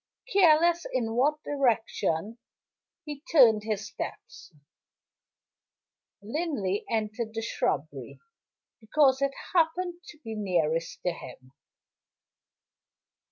Careless in what direction he turned his steps, Linley entered the shrubbery, because it happened to be nearest to him.